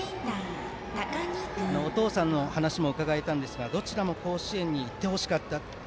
真鍋選手のお父さんの話も伺えたんですがどちらも甲子園に行ってほしかった。